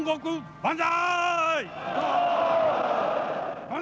万歳！